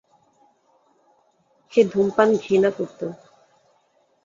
সে ধূমপান ঘৃণা করতো।